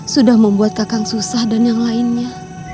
sudah membuat kakak susah dan yang lainnya